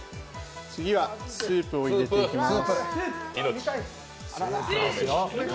次はスープを入れていきます。